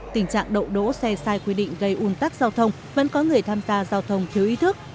tình trạng đậu đỗ xe sai quy định gây un tắc giao thông vẫn có người tham gia giao thông thiếu ý thức